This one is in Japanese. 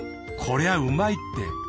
こりゃうまいって。